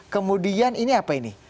kemudian ini apa ini